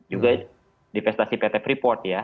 juga dipestasi pt preport ya